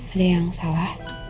ada yang salah